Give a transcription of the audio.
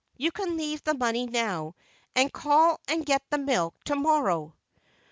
you can leave the money now, and call and get the milk to morrow!"